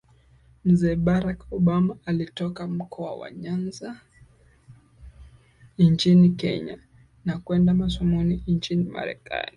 Mzee Barack Obama alitoka mkoa wa Nyanza nchini kenya na kwenda masomoni nchini marekani